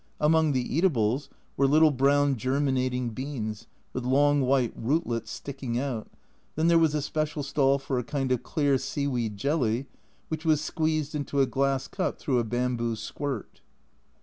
Among the eatables were little brown germinating beans, with long white rootlets sticking out, then there was a special stall for a kind of clear seaweed jelly, which was squeezed into a glass cup through a bamboo squirt.